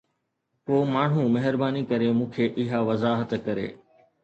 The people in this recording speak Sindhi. ڪو ماڻهو مهرباني ڪري مون کي اها وضاحت ڪري